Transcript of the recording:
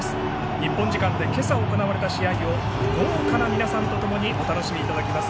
日本時間で今朝、行われた試合を豪華な皆さんとともにお楽しみいただきます。